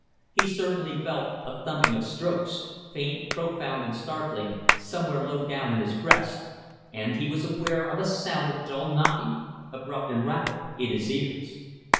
He certainly felt a thumping of strokes, faint, profound, and startling, somewhere low down in his breast; and he was aware of a sound of dull knocking, abrupt and rapid, in his ears.